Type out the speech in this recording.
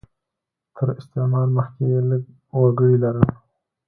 تر استعمار مخکې یې لږ وګړي لرل.